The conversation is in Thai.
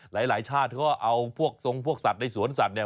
หลายชาติเขาก็เอาพวกทรงพวกสัตว์ในสวนสัตว์เนี่ย